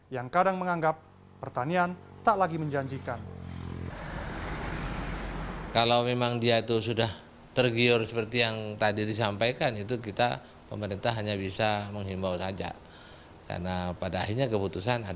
yang kadang mengangkat lahan yang tidak berkelanjutan